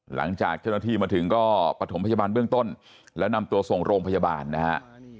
หลังจากเจ้าหน้าที่มาถึงก็ประถมพยาบาลเบื้องต้นแล้วนำตัวส่งโรงพยาบาลนะฮะ